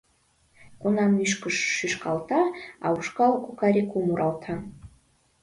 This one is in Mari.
— Кунам ӱшкыж шӱшкалта, а ушкал ку-ка-ре-ку муралта.